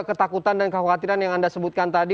ketakutan dan kekhawatiran yang anda sebutkan tadi